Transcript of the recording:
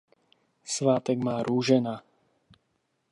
Svátek má Růžena.